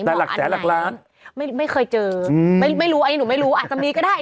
แต่หลักแสนหลักล้านไม่เคยเจออืมไม่รู้อันนี้หนูไม่รู้อาจจะมีก็ได้